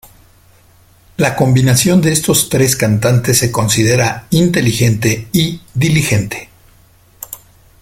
La combinación de estos tres cantantes se considera ""inteligente" y "diligente"".